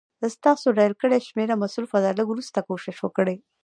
ستاسو ډائل کړې شمېره مصروفه ده، لږ وروسته کوشش وکړئ